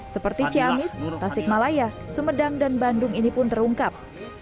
seperti ciamis tasikmalaya sumedang dan bandung ini pun terungkap